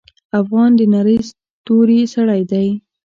افغان د نرۍ توري سړی دی.